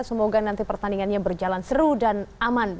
semoga nanti pertandingannya berjalan seru dan aman